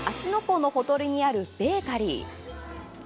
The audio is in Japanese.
湖のほとりにあるベーカリー。